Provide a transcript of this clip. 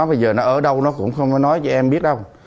bây giờ nó ở đâu nó cũng không nói cho em biết đâu